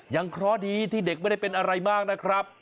เคราะห์ดีที่เด็กไม่ได้เป็นอะไรมากนะครับ